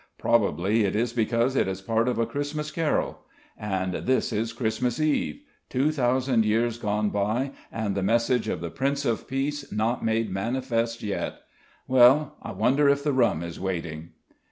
"Probably it is because it is part of a Christmas carol.... And this is Christmas eve.... Two thousand years gone by and the message of the Prince of Peace not made manifest yet.... Well, I wonder if the rum is waiting...?"